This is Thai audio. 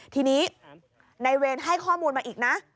ทีนี้นายเวรให้ข้อมูลมาอีกนะ